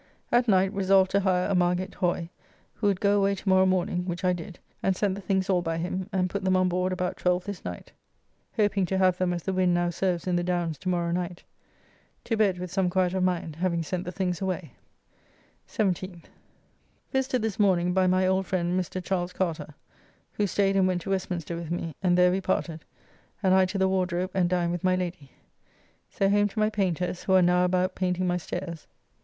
At night resolved to hire a Margate Hoy, who would go away to morrow morning, which I did, and sent the things all by him, and put them on board about 12 this night, hoping to have them as the wind now serves in the Downs to morrow night. To bed with some quiet of mind, having sent the things away. 17th. Visited this morning by my old friend Mr. Ch. Carter, who staid and went to Westminster with me, and there we parted, and I to the Wardrobe and dined with my Lady. So home to my painters, who are now about painting my stairs.